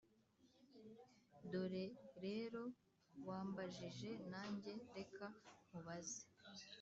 dore rero wambajije nange reka nkubaze